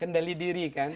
kendali diri kan